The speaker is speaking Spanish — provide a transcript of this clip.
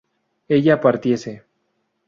ella partiese